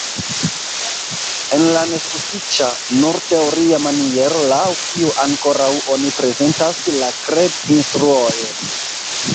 El la nesufiĉa, nur teoria maniero, laŭ kiu ankoraŭ oni prezentas la kred-instruojn!